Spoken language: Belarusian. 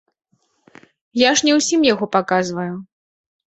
Я ж не ўсім яго паказваю.